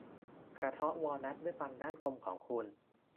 กระเทาะวอลนัทด้วยฟันด้านคมของคุณ